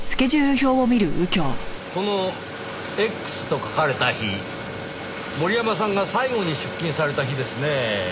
この「Ｘ」と書かれた日森山さんが最後に出勤された日ですねぇ。